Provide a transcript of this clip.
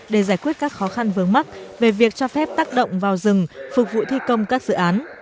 để giải quyết các khó khăn vướng mắt về việc cho phép tác động vào rừng phục vụ thi công các dự án